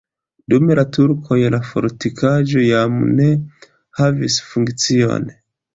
Dum la turkoj la fortikaĵo jam ne havis funkcion.